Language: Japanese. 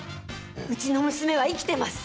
うちの娘は生きてます。